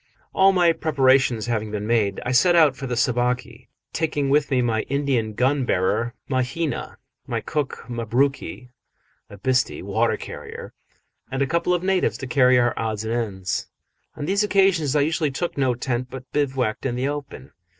All my preparations having been made, I set out for the Sabaki, taking with me my Indian gun bearer Mahina, my cook Mabruki, a bhisti (water carrier), and a couple of natives to carry our odds and ends. On these occasions I usually took no tent, but bivouacked in the open.